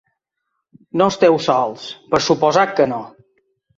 No esteu sols, per suposat que no!